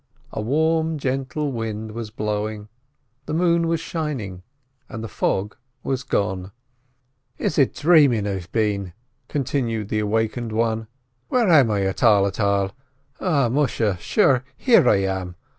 a warm, gentle wind was blowing, the moon was shining, and the fog was gone. "Is it dhraming I've been?" continued the awakened one. "Where am I at all, at all? O musha! sure, here I am.